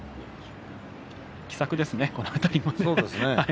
気さくですね、この辺りも。